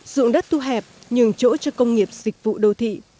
dụng đất thu hẹp nhường chỗ cho công nghiệp dịch vụ đô thị